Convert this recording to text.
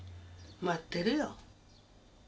待ってるよ。